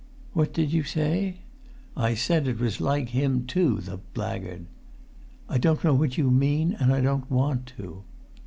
"What did you say?" "I said it was like him, too, the blackguard!" "I don't know what you mean, and I don't want to."